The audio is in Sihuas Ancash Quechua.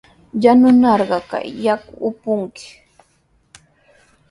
Yanunarqa kay yaku upunki.